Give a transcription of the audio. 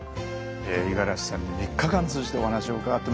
五十嵐さんに３日間通じてお話を伺ってまいりました。